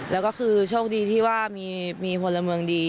แล้วก็คือโชคดีที่ว่ามีพลเมืองดี